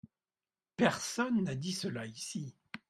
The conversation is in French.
Personne n’a dit cela ici.